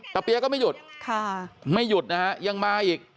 เปี๊ยก็ไม่หยุดไม่หยุดนะฮะยังมาอีก